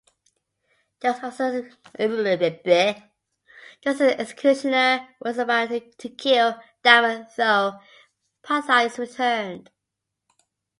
Just as the executioner was about to kill Damon, though, Pythias returned.